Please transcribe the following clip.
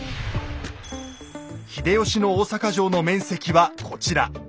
秀吉の大坂城の面積はこちら。